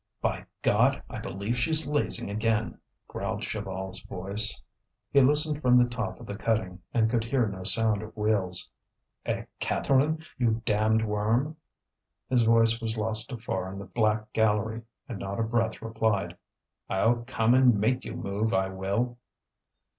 "By God! I believe she's lazing again," growled Chaval's voice. He listened from the top of the cutting, and could hear no sound of wheels. "Eh, Catherine! you damned worm!" His voice was lost afar in the black gallery, and not a breath replied. "I'll come and make you move, I will!"